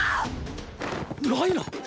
ライナー？